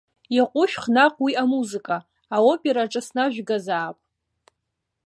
Иаҟәышәх наҟ уи амузыка, аопера аҿы снажәгазаап.